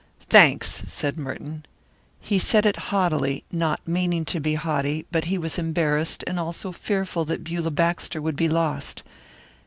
"Thanks!" said Merton. He said it haughtily, not meaning to be haughty, but he was embarrassed and also fearful that Beulah Baxter would be lost.